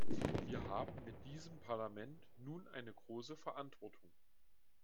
Wir haben mit diesem Parlament nun eine große Verantwortung.